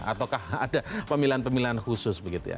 ataukah ada pemilihan pemilihan khusus begitu ya